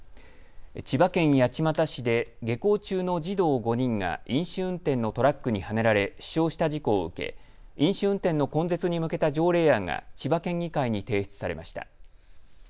千葉県八街市で下校中の児童５人が飲酒運転のトラックにはねられ死傷した事故を受け、飲酒運転の根絶に向けた条例案が千葉県議会に提出されました。